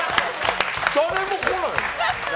誰も来ないの。